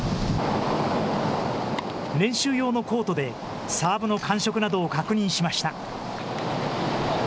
練習用のコートでサーブの感触などを確認しました。